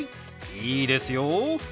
いいですよ。